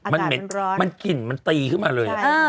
มันเหม็นมันกลิ่นมันตีขึ้นมาเลย